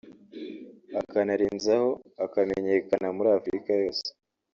akanarenzaho akamenyekana muri Afurika yose